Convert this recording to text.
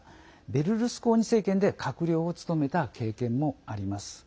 ベルルスコーニ政権で閣僚を務めた経験もあります。